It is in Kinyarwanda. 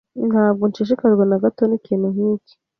Ntabwo nshishikajwe na gato n'ikintu nk'iki.